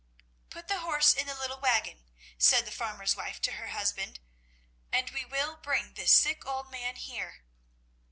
"Put the horse in the little waggon," said the farmer's wife to her husband, "and we will bring this sick old man here."